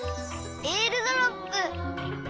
えーるドロップ！